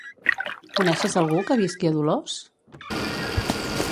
Coneixes algú que visqui a Dolors?